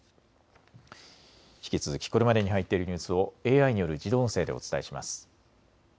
引き続きこれまでに入っているニュースをＡＩによる自動音声でお伝えします。